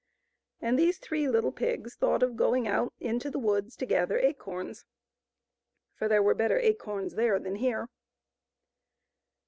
And these three little pigs thought of going out into the woods to gather acorns, for there were better acorns there than here.